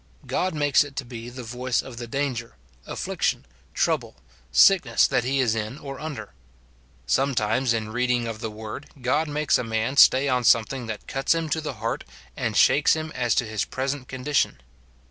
God makes it to be the voice of the danger, affliction, trouble, sickness that he is in or under. Sometimes in reading of the word God makes a man stay on something that SIN IN BELIEVERS. 231 cuts him to the heart, and shakes him as to his present condition.